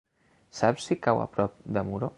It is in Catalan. Saps si cau a prop de Muro?